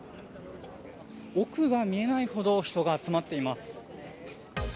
奥が見えないほど人が集まっています。